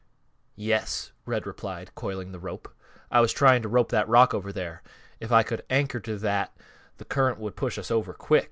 "Yes," Red replied, coiling the rope. "I was trying to rope that rock over there. If I could anchor to that, th' current would push us over quick.